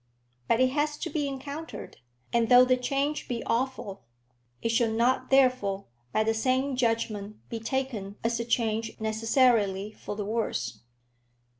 But it has to be encountered; and though the change be awful, it should not therefore, by the sane judgment, be taken as a change necessarily for the worst.